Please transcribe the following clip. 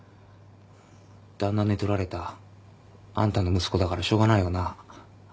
旦那寝取られたあんたの息子だからしょうがないよな。